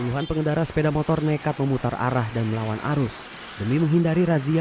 puluhan pengendara sepeda motor nekat memutar arah dan melawan arus demi menghindari razia